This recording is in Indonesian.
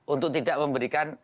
untuk tidak memberikan